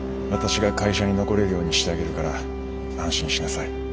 私が会社に残れるようにしてあげるから安心しなさい。